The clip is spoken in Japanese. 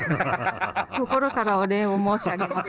心からお礼を申し上げます。